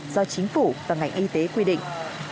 do chính phủ và ngành y tế quy định